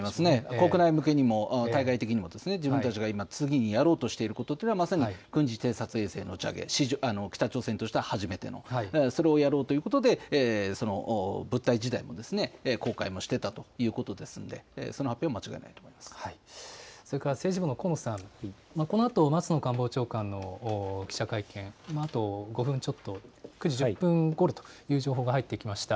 国内向けにも対外的にも自分たちが今、次にやろうとしていることは、まさに軍事偵察衛星の打ち上げ、北朝鮮としては初めての、それをやろうということで、物体自体の公開もしていたということですんで、その発表は間違いそれから政治部の高野さん、このあと松野官房長官の記者会見、このあと５分ちょっと、９時１０分ごろという情報が入ってきました。